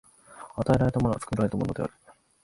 与えられたものは作られたものである。